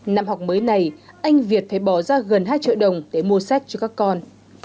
năm học mới này anh việt phải bỏ ra gần hai triệu đồng để mua sách cho các con